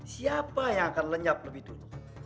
siapa yang akan lenyap lebih dulu